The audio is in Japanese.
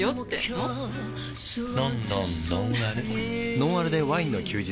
「ノンアルでワインの休日」